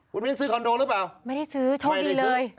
คุณมิ้นซื้อคอนโดหรือเปล่าไม่ได้ซื้อโชคดีเลย